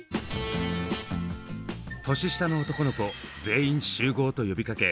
「年下の男の子全員集合！」と呼びかけ